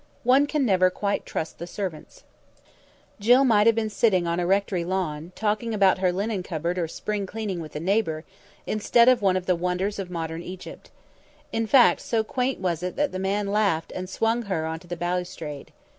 One can never quite trust the servants." Jill might have been sitting on a rectory lawn, talking about her linen cupboard or spring cleaning with a neighbour, instead of one of the wonders of modern Egypt. In fact, so quaint was it that the man laughed and swung her onto the balustrade.